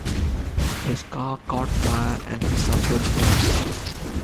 His car caught fire and he suffered burns.